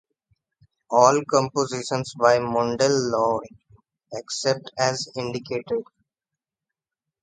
All compositions by Mundell Lowe, except as indicated.